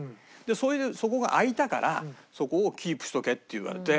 それでそこが空いたからそこをキープしとけって言われて。